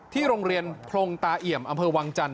โรงเรียนพรงตาเอี่ยมอำเภอวังจันท